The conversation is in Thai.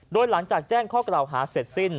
โดยหลังจากแจ้งข้อกล่าวหาเสร็จสิ้น